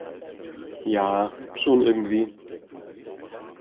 Ja, schon irgendwie.